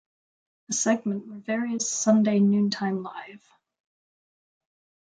A segment where various Sunday Noontime Live!